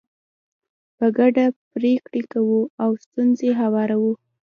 په ګډه پرېکړې کوو او ستونزې هواروو.